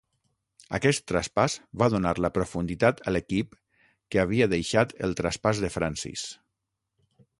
Aquest traspàs va donar la profunditat a l'equip que havia deixat el traspàs de Francis.